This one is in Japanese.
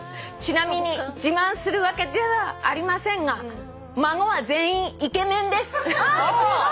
「ちなみに自慢するわけじゃありませんが孫は全員イケメンです」